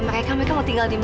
berangkat dari sini